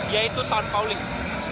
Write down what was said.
yaitu tan pauling